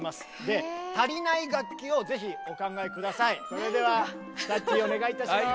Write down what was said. それではさっちーお願いいたします。